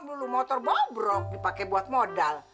dulu motor bobrok dipakai buat modal